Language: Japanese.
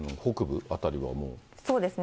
そうですね。